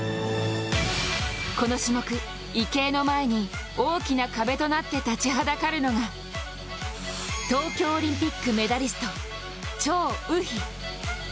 この種目、池江の前に大きな壁となって立ちはだかるのが東京オリンピックメダリスト張雨霏。